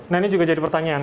nah ini juga jadi pertanyaan